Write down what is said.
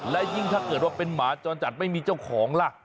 และยิ่งถ้าเกิดว่าเป็นหมาจรจัดไม่มีเจ้าของล่ะ